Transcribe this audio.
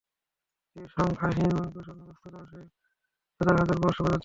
পৃথিবীর সংখ্যাহীন দূষণগ্রস্ত জলাশয়ে এরই মধ্যে বিলুপ্তি ঘটেছে হাজার হাজার মৎস্য প্রজাতির।